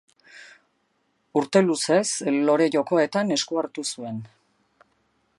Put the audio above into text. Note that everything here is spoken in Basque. Urte luzez Lore Jokoetan esku hartu zuen.